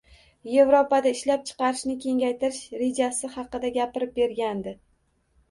Yevropada ishlab chiqarishni kengaytirish rejasi haqida gapirib bergandi.